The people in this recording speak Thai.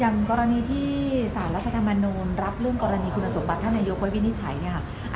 อย่างกรณีที่สารรัฐธรรมนูลรับเรื่องกรณีคุณสมบัติท่านนายกไว้วินิจฉัยเนี่ยค่ะ